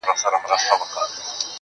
ستا هم د پزي په افسر كي جـادو.